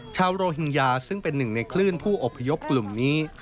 ชาวโรฮิงญาซึ่งเป็นหนึ่งในคลื่นผู้อบพยพกลุ่มนี้